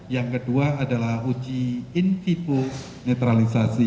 yang kedua adalah uji infipo netralisasi